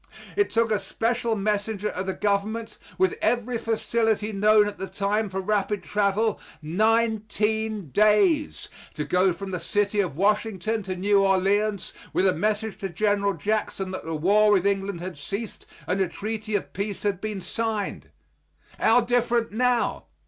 It took a special messenger of the government, with every facility known at the time for rapid travel, nineteen days to go from the City of Washington to New Orleans with a message to General Jackson that the war with England had ceased and a treaty of peace had been signed. How different now!